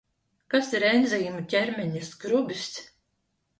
Kas ir enzīmu ķermeņa skrubis?